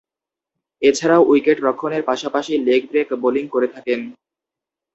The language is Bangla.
এছাড়াও উইকেট-রক্ষণের পাশাপাশি লেগ ব্রেক বোলিং করে থাকেন।